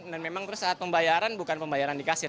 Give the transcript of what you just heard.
dan memang terus saat pembayaran bukan pembayaran di kasir